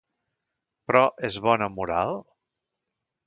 Però, és bona moral?